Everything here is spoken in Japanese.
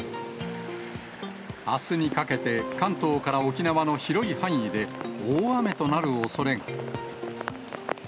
あすにかけて関東から沖縄の広い範囲で大雨となるおそれが。